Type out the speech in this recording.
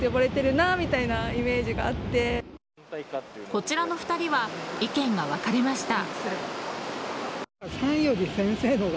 こちらの２人は意見が分かれました。